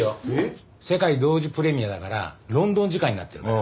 世界同時プレミアだからロンドン時間になってるから。